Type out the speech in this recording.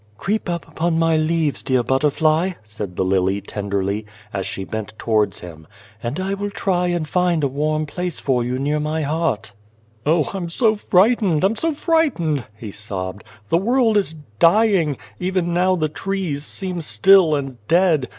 " Creep up upon my leaves, dear butter fly," said the lily tenderly, as she bent towards him, "and I will try and find a warm place for you near my heart." 164 The Garden of God " Oh, I'm so frightened! I'm so frightened!" he sobbed. " The world is dying ; even now the trees seem still and dead.